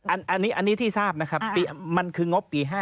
อันนี้ที่ทราบนะครับมันคืองบปี๕